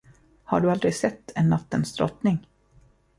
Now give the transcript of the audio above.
Har du aldrig sett en Nattens drottning?